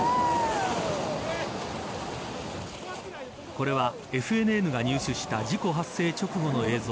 これはＦＮＮが入手した事故発生直後の映像。